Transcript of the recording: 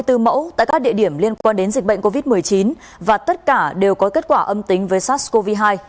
tất cả các địa điểm liên quan đến dịch bệnh covid một mươi chín và tất cả đều có kết quả âm tính với sars cov hai